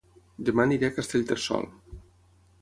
Dema aniré a Castellterçol